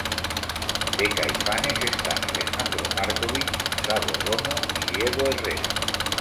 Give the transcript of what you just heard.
De Caifanes están Alejandro Marcovich, Sabo Romo y Diego Herrera.